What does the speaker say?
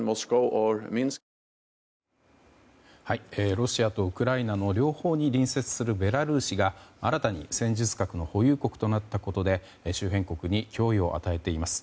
ロシアとウクライナの両方に隣接するベラルーシが新たに戦術核の保有国となったことで周辺国に脅威を与えています。